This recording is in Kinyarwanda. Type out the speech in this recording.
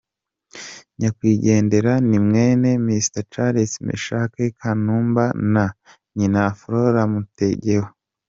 Nyakwigendera ni mwene Mr Charles Meshack Kanumba na nyina Flora Mtegoa.